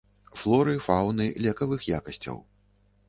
Флоры, фаўны, лекавых якасцяў.